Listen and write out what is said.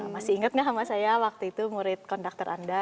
masih ingat nggak sama saya waktu itu murid konduktor anda